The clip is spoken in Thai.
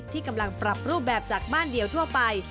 ที่กำลังปรับรูปแบบจากบ้านเดียวทั่วไป